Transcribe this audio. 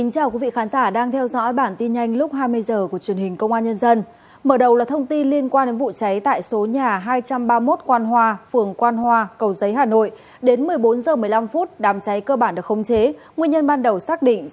cảm ơn các bạn đã theo dõi